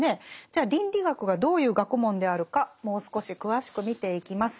じゃあ倫理学がどういう学問であるかもう少し詳しく見ていきます。